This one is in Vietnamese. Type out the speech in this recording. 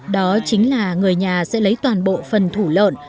đó chính là người nhà sẽ lấy toàn bộ phần thủ lợn